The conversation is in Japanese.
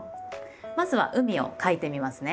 まずは「海」を書いてみますね。